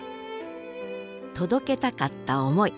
届けたかった思い。